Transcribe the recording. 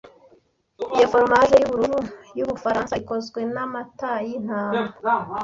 Iyo foromaje yubururu yubufaransa ikozwe namata yintama